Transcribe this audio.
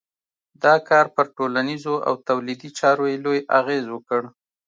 دا کار پر ټولنیزو او تولیدي چارو یې لوی اغېز وکړ.